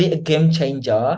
ini akan menjadi game changer